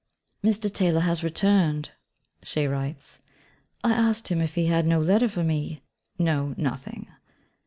Mr. Taylor has returned (she writes): I asked him if he had no letter for me. 'No: nothing.'